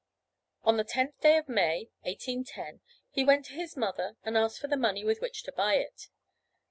On the tenth day of May, 1810, he went to his mother and asked for the money with which to buy it.